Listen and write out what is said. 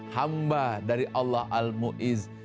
hamba dari allah al mu'izz